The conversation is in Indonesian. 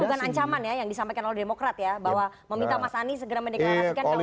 bukan ancaman ya yang disampaikan oleh demokrat ya bahwa meminta mas ani segera mendeklarasikan kalau gak evaluasi